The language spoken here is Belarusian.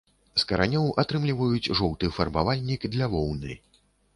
З каранёў атрымліваюць жоўты фарбавальнік для воўны.